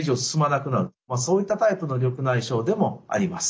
そういったタイプの緑内障でもあります。